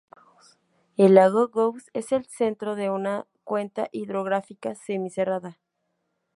El lago Goose es el centro de una cuenca hidrográfica semi-cerrada.